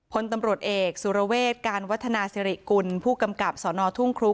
พลตำรวจเอกสุรเวศการวัฒนาสิริกุลผู้กำกับสนทุ่งครุก